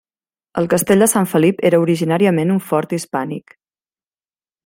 El castell de Sant Felip era originàriament un fort hispànic.